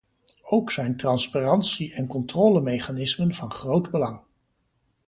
Ook zijn transparantie- en controlemechanismen van groot belang.